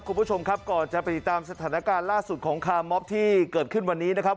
คุณผู้ชมครับก่อนจะไปติดตามสถานการณ์ล่าสุดของคาร์มอบที่เกิดขึ้นวันนี้นะครับ